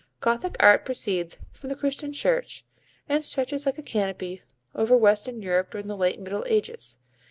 Gothic art proceeds from the Christian Church and stretches like a canopy over western Europe during the late Middle Ages.